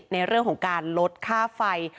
ในเรื่องของการลดค่าไฟ